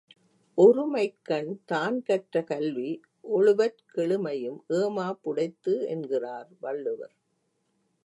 ஒருமைக்கண் தான்கற்ற கல்வி ஒருவற் கெழுமையும் ஏமாப் புடைத்து என்கிறார் வள்ளுவர்.